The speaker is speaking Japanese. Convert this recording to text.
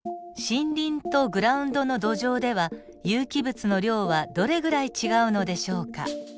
森林とグラウンドの土壌では有機物の量はどれぐらい違うのでしょうか？